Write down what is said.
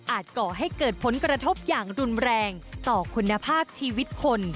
ก่อให้เกิดผลกระทบอย่างรุนแรงต่อคุณภาพชีวิตคน